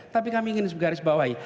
tapi kami ingin menggarisbawahi